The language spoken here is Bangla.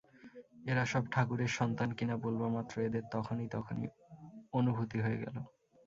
এরা সব ঠাকুরের সন্তান কিনা, বলবামাত্র এদের তখনই তখনই অনুভূতি হয়ে গেল।